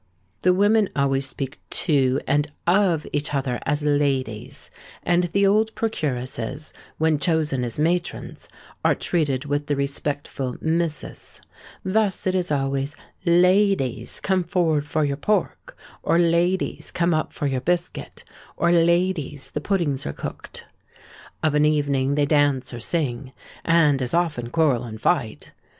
The women always speak to and of each other as ladies; and the old procuresses, when chosen as matrons, are treated with the respectful Mrs. Thus it is always, 'Ladies, come for'ard for your pork;' or 'Ladies, come up for your biscuit;' or 'Ladies, the puddings are cooked.' Of an evening they dance or sing,—and as often quarrel and fight.